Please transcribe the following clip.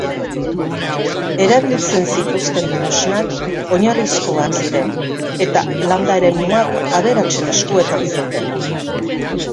Erabiltzen zituzten tresnak oinarrizkoak ziren eta landa-eremuak aberatsen eskuetan zeuden.